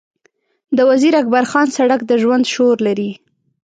د وزیر اکبرخان سړک د ژوند شور لري.